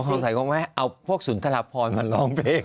นั่นแหละสิเอาพวกศูนย์กระพรมันร้องเพลง